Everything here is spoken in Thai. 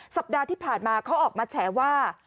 สัปดาห์ที่ผ่านมาเขาออกมาแฉว่า